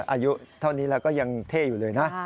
อายุเท่านี้แล้วก็ยังเท่อยู่เลยนะ